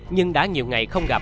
nhưng đã nhiều ngày không gặp